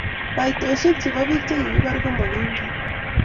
kaitoshek chebo biik chekikibar komakinget